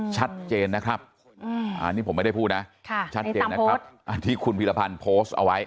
ชัดเจนนะครับอันนี้ผมไม่ได้พูดนะชัดเจนนะครับที่คุณพีรพันธ์โพสต์เอาไว้